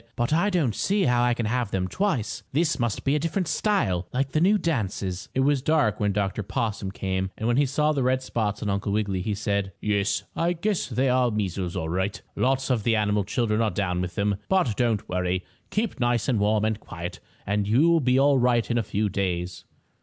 "But I don't see how I can have them twice. This must be a different style, like the new dances." It was dark when Dr. Possum came, and when he saw the red spots on Uncle Wiggily, he said: "Yes, I guess they're the measles all right. Lots of the animal children are down with them. But don't worry. Keep nice and warm and quiet, and you'll be all right in a few days."